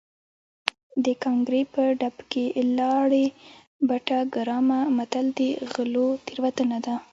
د ګانګړې په ډب کې لاړې بټه ګرامه متل د غلو تېروتنه ده